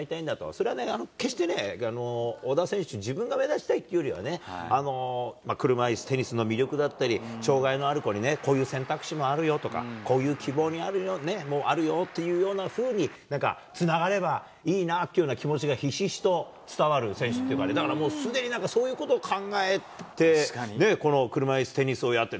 それは決して小田選手、自分が目立ちたいというよりはね、車いすテニスの魅力だったり、障がいのある子にこういう選択肢もあるよとか、こういう希望もあるよというようなふうになんか、つながればいいなっていうような気持ちがひしひしと伝わる選手というか、もうすでになんかそういうことを考えて、この車いすテニスをやって。